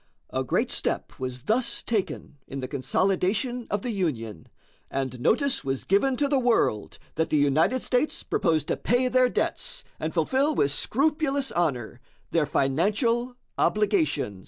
A great step was thus taken in the consolidation of the Union, and notice was given to the world that the United States proposed to pay their debts and fulfill with scrupulous honor their financial obligations.